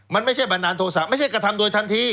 มันไม่ใช่บันดาลโทษะไม่ใช่กระทำโดยทันที